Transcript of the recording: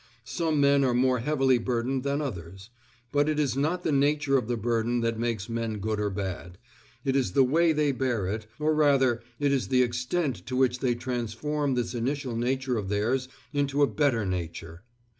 Some men are more heavily burdened than others. But it is not the nature of the burden that makes men good or bad; it is the way they bear it, or rather it is the extent to which they transform this initial nature of theirs into a better nature.